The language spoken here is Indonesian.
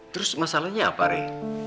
terus masalahnya apa re